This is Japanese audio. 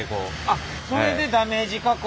あっそれでダメージ加工？